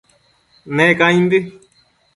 Ne caimbi